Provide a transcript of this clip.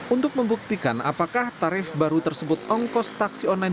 untuk membuktikan apakah tarif baru tersebut ongkos taksi online